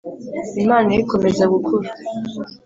impano ye ikomeza gukura